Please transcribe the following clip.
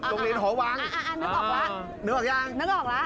โรงเรียนขอบวังเอานึกออกละนึกออกยังนึกออกละ